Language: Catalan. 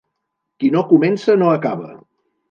Qui no comença, no acaba.